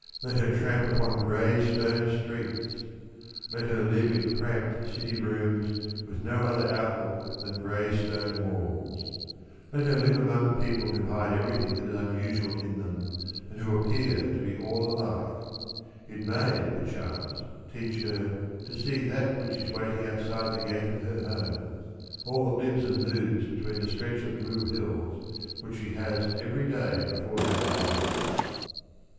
Let her tramp upon gray stone streets; let her live in cramped city rooms with no other outlook than gray stone walls; let her live among people who hide everything that is unusual in them and who appear to be all alike. It may perchance teach her to see that which is waiting outside the gate of her home all that lives and moves between the stretch of blue hills which she has every day before her eyes."